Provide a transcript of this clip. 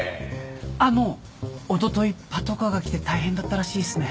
あのおとといパトカーが来て大変だったらしいっすね。